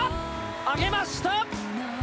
上げました！